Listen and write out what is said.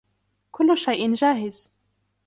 كل شئ جاهز.